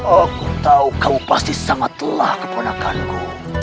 aku tau kamu pasti sangat telah keponakan ku